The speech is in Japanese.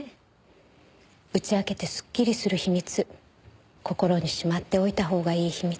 打ち明けてすっきりする秘密心にしまっておいた方がいい秘密。